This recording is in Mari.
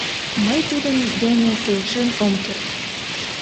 Мый тудын дене келшен ом керт.